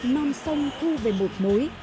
thực sống trong thời khắc non sông thư về một mối